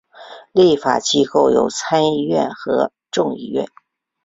立法机构有参议院和众议院。